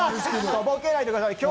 とぼけないでください！